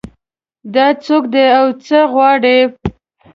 دا څوک ده او څه غواړي